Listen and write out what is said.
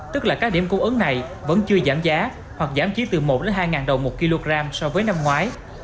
tức là các điểm cung ứng này vẫn chưa giảm giá hoặc giảm chỉ từ một hai đồng một kg so với năm ngoái